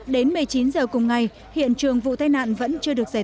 đến một mươi chín giờ cùng ngày hiện trường vụ tai nạn vẫn chưa được giải tố